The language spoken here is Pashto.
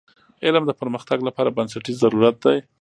علم د پرمختګ لپاره بنسټیز ضرورت دی.